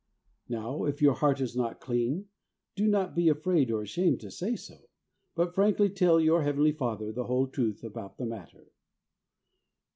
Now, if your heart is not clean, do not be afraid or ashamed to say so, but frankly tell your Heavenly Father the whole truth about the matter.